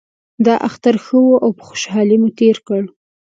دا اختر ښه و او په خوشحالۍ مو تیر کړ